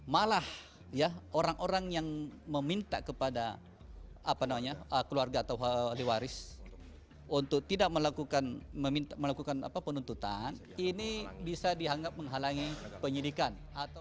malah orang orang yang meminta kepada keluarga atau diwaris untuk tidak melakukan penuntutan ini bisa dianggap menghalangi penyidikan